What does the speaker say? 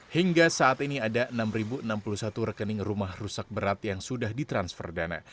hingga saat ini ada enam enam puluh satu rekening rumah rusak berat yang sudah ditransfer dana